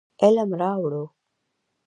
علم راوړو.